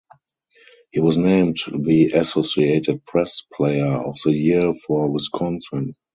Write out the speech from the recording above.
He was named the Associated Press Player of the Year for Wisconsin.